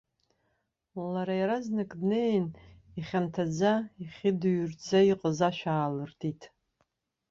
Лара иаразнак днеин, ихьанҭаӡа, ихьыдҩрӡа иҟаз ашә аалыртит.